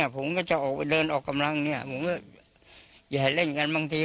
ผมก็จะเดินออกกำลังแหย่เล่นกันบางที